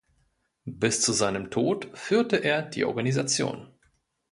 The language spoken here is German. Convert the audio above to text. Bis zu seinem Tod führte er die Organisation.